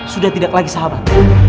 sudah tidak lagi sahabat